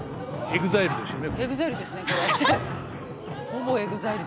ほぼＥＸＩＬＥですね。